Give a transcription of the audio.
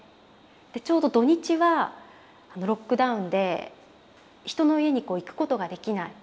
でちょうど土日はロックダウンで人の家に行くことができない。